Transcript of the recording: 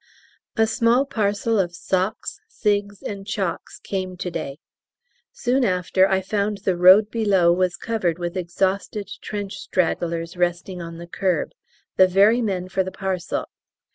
A small parcel of socks, cigs., and chocs, came to day. Soon after, I found the road below was covered with exhausted trench stragglers resting on the kerb, the very men for the parcel.